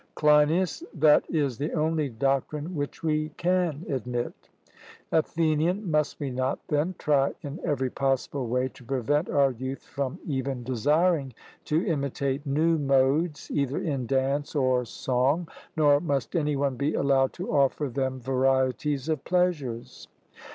CLEINIAS: That is the only doctrine which we can admit. ATHENIAN: Must we not, then, try in every possible way to prevent our youth from even desiring to imitate new modes either in dance or song? nor must any one be allowed to offer them varieties of pleasures.